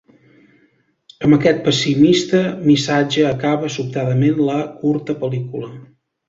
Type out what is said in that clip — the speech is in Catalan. Amb aquest pessimista missatge acaba sobtadament la curta pel·lícula.